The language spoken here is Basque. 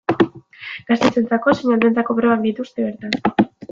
Gaztetxoentzako zein helduentzako probak dituzte bertan.